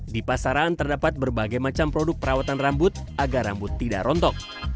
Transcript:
di pasaran terdapat berbagai macam produk perawatan rambut agar rambut tidak rontok